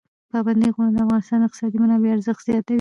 پابندي غرونه د افغانستان د اقتصادي منابعو ارزښت زیاتوي.